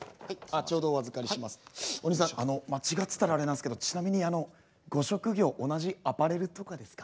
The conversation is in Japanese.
お兄さんあの間違ってたらあれなんですけどちなみにご職業同じアパレルとかですか？